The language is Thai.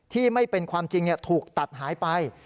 ไม่เป็นความจริงถูกตัดหายไป